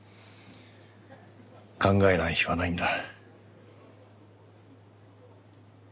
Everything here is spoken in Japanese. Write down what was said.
考えない日はないんだ。